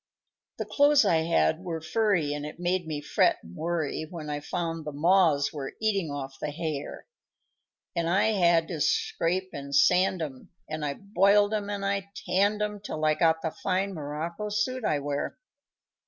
_ _The clothes I had were furry, And it made me fret and worry When I found the moths were eating off the hair; And I had to scrape and sand 'em, And I boiled 'em and I tanned 'em, Till I got the fine morocco suit I wear.